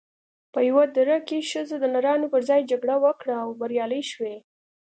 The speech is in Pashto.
په یوه دره کې ښځو د نرانو پر ځای جګړه وکړه او بریالۍ شوې